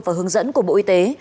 và hướng dẫn của bộ y tế